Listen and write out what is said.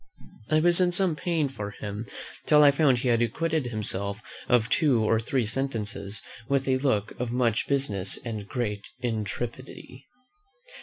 I was in some pain for him, till I found he had acquitted himself of two or three sentences with a look of much business and great intrepidity.